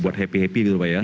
buat happy happy gitu pak ya